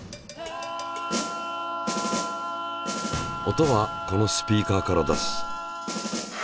音はこのスピーカーから出す。